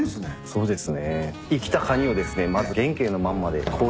そうです。